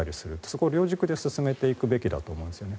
そこを両軸で進めていくべきだと思いますね。